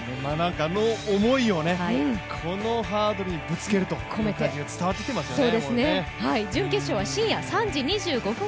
あの思いをこのハードルにぶつけるという感じが伝わってきていますよね。